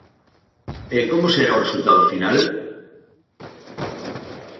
E como será o resultado final?